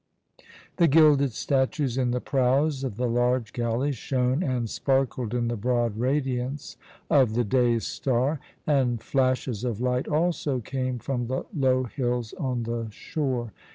The gilded statues in the prows of the large galleys shone and sparkled in the broad radiance of the day star, and flashes of light also came from the low hills on the shore.